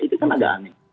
itu kan agak aneh